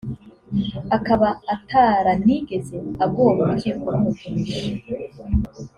akaba ataranigeze agora urukiko rumutumije